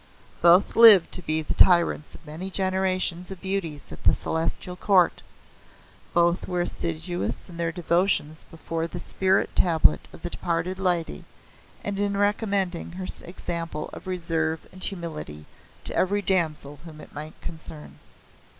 Both lived to be the tyrants of many generations of beauties at the Celestial Court. Both were assiduous in their devotions before the spirit tablet of the departed lady, and in recommending her example of reserve and humility to every damsel whom it might concern.